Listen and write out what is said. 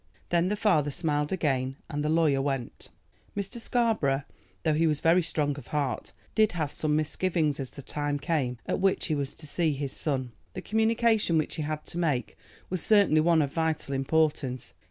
Then the father smiled again, and the lawyer went. Mr. Scarborough, though he was very strong of heart, did have some misgivings as the time came at which he was to see his son. The communication which he had to make was certainly one of vital importance.